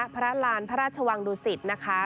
พระราณพระราชวังดุสิตนะคะ